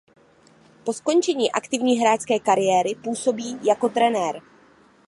Po skončení aktivní hráčské kariéry působí jako trenér.